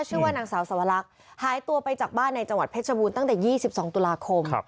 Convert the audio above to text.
ชื่อว่านางสาวสวรรคหายตัวไปจากบ้านในจังหวัดเพชรบูรณ์ตั้งแต่๒๒ตุลาคม